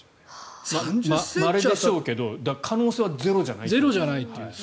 まれでしょうけど可能性はゼロじゃないと。